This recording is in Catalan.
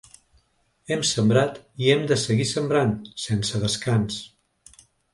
Hem sembrat i hem de seguir sembrant, sense descans.